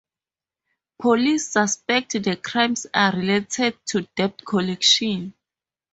Police suspect the crimes are related to debt collection.